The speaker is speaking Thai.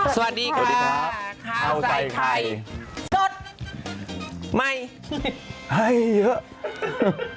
สวัสดีครับข้าวใส่ไข่สดใหม่ให้เยอะ